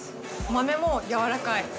豆もやわらかい。